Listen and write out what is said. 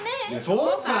そうか？